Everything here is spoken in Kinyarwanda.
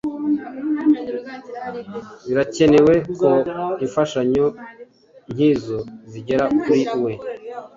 Birakenewe ko imfashanyo nkizo zigera kuri we